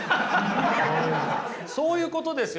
そういうことですよ。